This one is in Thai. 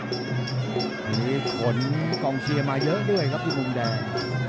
วันนี้ผลกองเชียร์มาเยอะด้วยครับที่มุมแดง